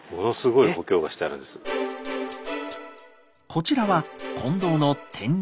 こちらは金堂の天井裏。